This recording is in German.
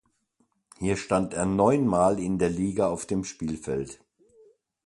Hier stand er neunmal in der Liga auf dem Spielfeld.